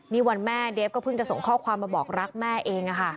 นี่วันแม่เดฟก็เพิ่งจะส่งข้อความมาบอกรักแม่เอง